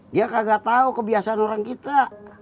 dia kagak tahu kebiasaan orang kita